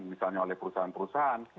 misalnya oleh perusahaan perusahaan